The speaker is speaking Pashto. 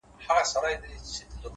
هره ورځ د نوې لارې امکان لري؛